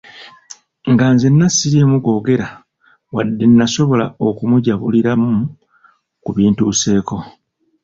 Nga nzenna siriimu googera wadde nasobola okumujabuliramu ku bintuuseeko.